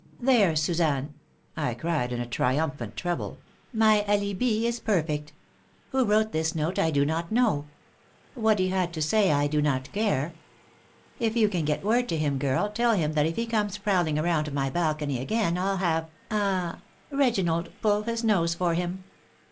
"There, Suzanne." I cried, in a triumphant treble, "my alibi is perfect. Who wrote this note I do not know. What he had to say I do not care. If you can get word to him, girl, tell him that if he comes prowling around my balcony again I'll have ah Reginald pull his nose for him.